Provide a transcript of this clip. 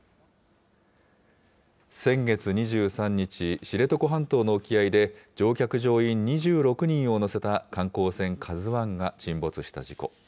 先月２３日、知床半島の沖合で、乗客・乗員２６人を乗せた観光船ＫＡＺＵＩが沈没した事故。